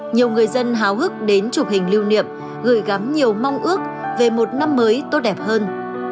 nhiều người dân háo hức đến chụp hình lưu niệm gửi gắm nhiều mong ước về một năm mới tốt đẹp hơn